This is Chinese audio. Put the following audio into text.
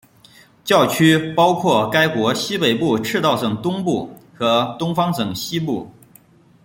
教区包括该国西北部赤道省东部和东方省西部。